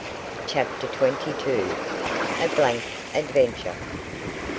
CHAPTER TWENTY TWO. A BLANK ADVENTURE.